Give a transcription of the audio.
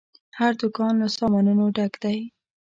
هر دوکان له سامانونو ډک دی.